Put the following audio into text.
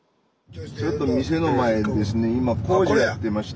ちょっと店の前ですね今工事やってまして。